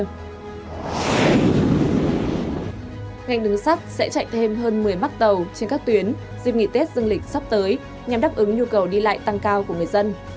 ngành đường sắt sẽ chạy thêm hơn một mươi mắt tàu trên các tuyến dịp nghỉ tết dương lịch sắp tới nhằm đáp ứng nhu cầu đi lại tăng cao của người dân